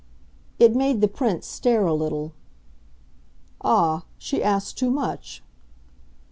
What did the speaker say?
It made the Prince stare a little. "Ah, she asks too much!"